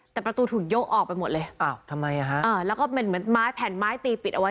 แต่ประตูถูกยกออกไปหมดเลยอ้าวทำไมอ่ะฮะเออแล้วก็เป็นเหมือนไม้แผ่นไม้ตีปิดเอาไว้